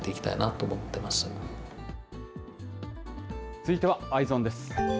続いてはＥｙｅｓｏｎです。